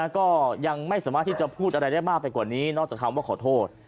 ก็ยังไม่สามารถที่จะพูดอะไรได้มากไปกว่านี้นอกจากคำว่าขอโทษ